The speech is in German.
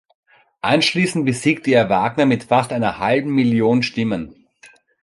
Anschließend besiegte er Wagner mit fast einer halben Million Stimmen.